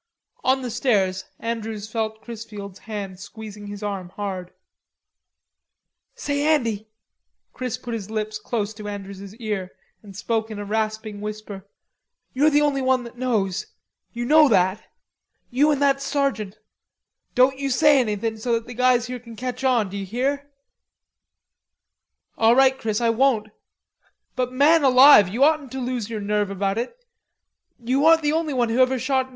On the stairs Andrews felt Chrisfield's hand squeezing his arm hard. "Say, Andy," Chris put his lips close to Andrews's ear and spoke in a rasping whisper. "You're the only one that knows... you know what. You an' that sergeant. Doan you say anythin' so that the guys here kin ketch on, d'ye hear?" "All right, Chris, I won't, but man alive, you oughtn't to lose your nerve about it. You aren't the only one who ever shot an..."